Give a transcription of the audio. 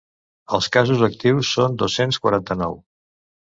Els casos actius són dos-cents quaranta-nou.